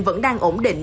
vẫn đang ổn định